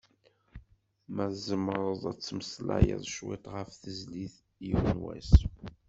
Ma tzemmreḍ ad d-temmeslayeḍ cwiṭ ɣef tezlit "Yiwen wass".